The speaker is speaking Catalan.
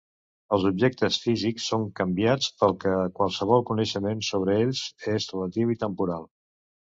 Els objectes físics són canviants pel que qualsevol coneixement sobre ells és relatiu i temporal.